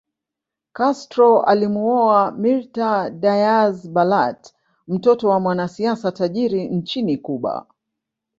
Castro alimuoa Mirta Diaz Balart mtoto wa mwanasiasa tajiri nchini Cuba